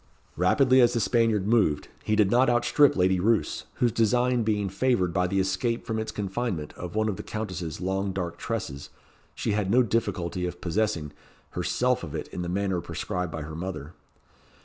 Rapidly as the Spaniard moved, he did not outstrip Lady Roos, whose design being favoured by the escape from its confinement of one of the Countess's long dark tresses, she had no difficulty of possessing, herself of it in the manner prescribed by her mother.